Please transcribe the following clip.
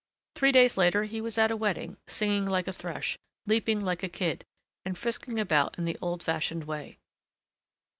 Three days later, he was at a wedding, singing like a thrush, leaping like a kid, and frisking about in the old fashioned way.